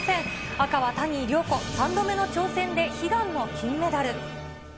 赤は谷亮子、３度目の挑戦で悲願の金メダル。